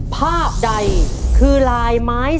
ภาพใดคือลายไม้